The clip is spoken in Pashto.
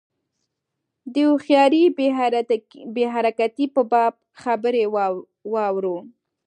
د هوښیاري بې حرکتۍ په باب خبرې اورو.